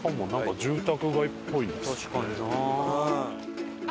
確かにな。